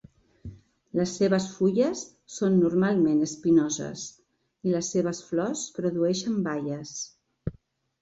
Les seves fulles són normalment espinoses i les seves flors produeixen baies.